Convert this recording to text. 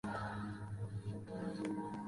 Kino Táchira